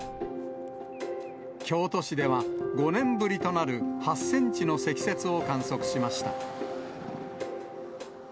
京都市では５年ぶりとなる、８センチの積雪を観測しました。